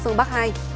phương bắc hai